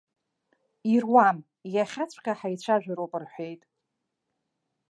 Ируам, иахьаҵәҟьа ҳаицәажәароуп рҳәеит.